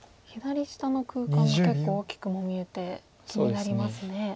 左下の空間が結構大きくも見えて気になりますね。